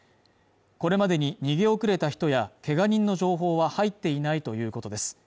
これまでに逃げ遅れた人やけが人の情報は入っていないということです